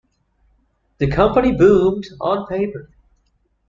The Company boomed on paper.